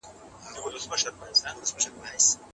ايا ته ښوونځي ته ځې؟